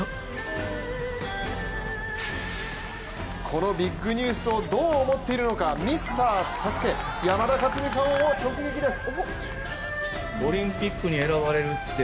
このビッグニュースをどう思っているのかミスターＳＡＳＵＫＥ・山田勝己さんを直撃です。